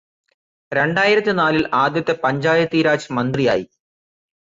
രണ്ടായിരത്തിനാലിൽ ആദ്യത്തെ പഞ്ചായത്തീരാജ് മന്ത്രിയായി.